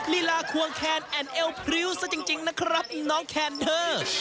ลีลาควงแคนแอ่นเอวพริ้วซะจริงนะครับน้องแคนเดอร์